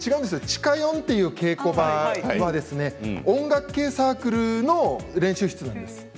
地下４という稽古場は音楽系サークルの練習室なんです。